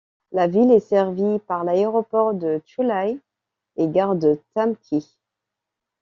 La ville est servie par l'aéroport de Chu Lai et gare de Tam Kỳ.